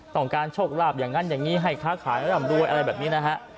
ต้องการโชคลาภอย่างนั้นอย่างนี้ให้ค้าขายร่ำรวยอะไรแบบนี้นะฮะ